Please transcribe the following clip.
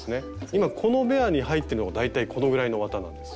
今このベアに入ってるのが大体このぐらいの綿なんです。